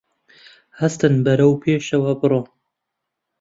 هەستن بەرەو پێشەوە بڕۆن